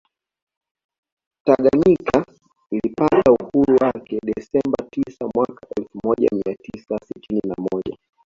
Taganyika ilipata uhuru wake Desemba tisa mwaka elfu moja mia tisa sitini na moja